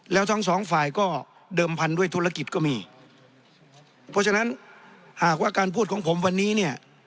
แล้วทั้งสองฝ่ายก็เดิมพันธุ์ด้วยธุรกิจก็มีเพราะฉะนั้นหากว่าการพูดของผมวันนี้เนี่ย